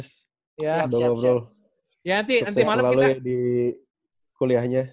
sukses selalu ya di kuliahnya